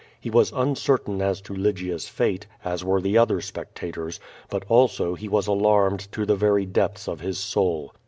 He was uncertain as to Lygia's fate, as were the other spectators, but also he was alarmed to the very depths of his soul.